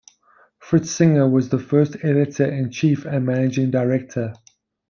Fritz Singer was the first editor-in-chief and managing director.